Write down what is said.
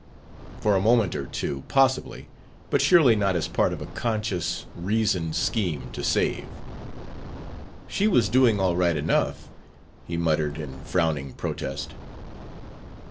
For a moment or two, possibly; but surely not as part of a conscious, reasoned scheme to save. "She was doing all right enough," he muttered in frowning protest.